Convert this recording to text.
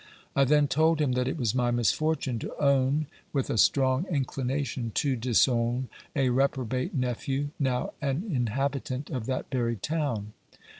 I then told him that it was my misfortune to own with a strong inclination to disown a reprobate nephew, now an inhabitant of that very town.